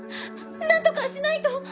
なんとかしないと！